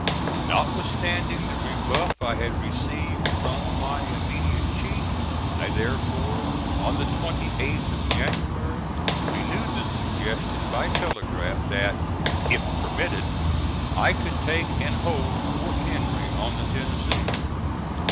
Notwithstanding the rebuff I had received from my immediate chief, I therefore, on the 28th of January, renewed the suggestion by telegraph that "if permitted, I could take and hold Fort Henry on the Tennessee."